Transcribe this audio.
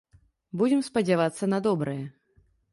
Будзем спадзявацца на добрае.